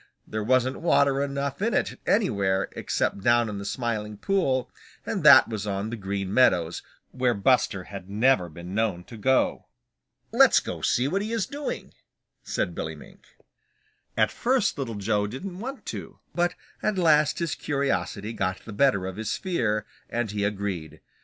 There wasn't water enough in it anywhere except down in the Smiling Pool, and that was on the Green Meadows, where Buster had never been known to go. "Let's go see what he is doing," said Billy Mink. At first Little Joe didn't want to, but at last his curiosity got the better of his fear, and he agreed.